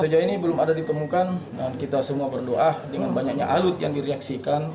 sejauh ini belum ada ditemukan dan kita semua berdoa dengan banyaknya alut yang direaksikan